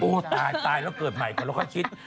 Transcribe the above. โอ้ตายตายแล้วเกิดใหม่ก่อนแล้วก็คิด